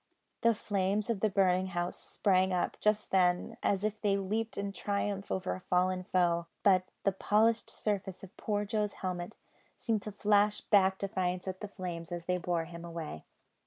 The flames of the burning house sprang up, just then, as if they leaped in triumph over a fallen foe; but the polished surface of poor Joe's helmet seemed to flash back defiance at the flames as they bore him away.